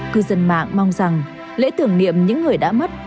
cư dân mạng mong rằng lễ tưởng niệm những người đã mất